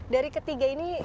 dari ketiga ini